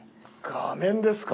画面ですか？